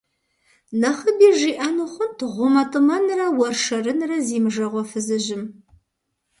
Нэхъыби жиӀэну хъунт гъумэтӀымэнрэ уэршэрынрэ зимыжагъуэ фызыжьым.